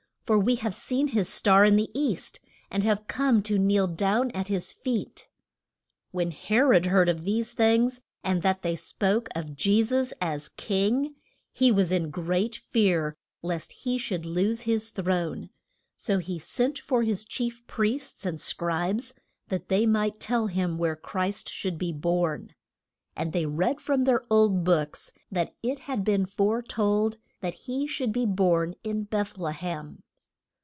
for we have seen his star in the east, and have come to kneel down at his feet. When He rod heard of these things, and that they spoke of Je sus as King, he was in great fear lest he should lose his throne. So he sent for his chief priests and scribes that they might tell him where Christ should be born. And they read from their old books that it had been fore told that he should be born in Beth le hem.